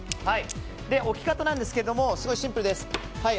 置き方なんですがすごいシンプルです。